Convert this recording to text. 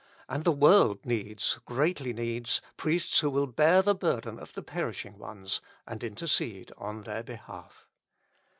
And the world needs, greatly needs, priests who will bear the burden of the perishing ones, and intercede on their behalf.